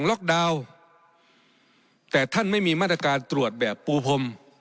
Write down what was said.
แล้วแต่ท่านไม่มีมาตรการตรวจแบบปูพม